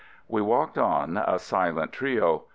We walked on, a silent trio.